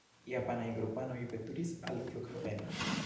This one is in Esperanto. Japanaj grupanoj veturis al flughaveno.